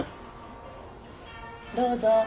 どうぞ。